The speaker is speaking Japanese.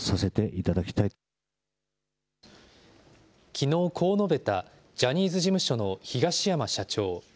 きのう、こう述べたジャニーズ事務所の東山社長。